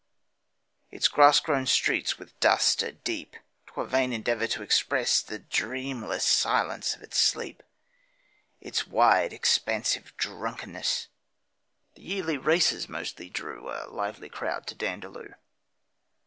It's grass grown streets with dust are deep, 'Twere vain endeavour to express The dreamless silence of its sleep, Its wide, expansive drunkenness. The yearly races mostly drew A lively crowd to Dandaloo.